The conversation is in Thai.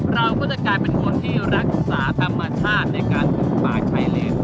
เราก็จะกลายเป็นคนที่รักษาธรรมชาติในการปลูกป่าชายเลน